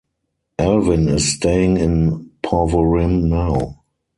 Alvyn is staying in Porvorim now.